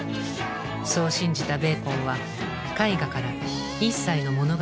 そう信じたベーコンは絵画から一切の物語を排除。